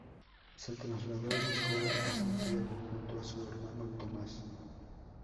Se trasladó muy joven a Santiago junto a su hermano Tomás.